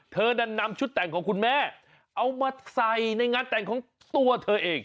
ดันนำชุดแต่งของคุณแม่เอามาใส่ในงานแต่งของตัวเธอเอง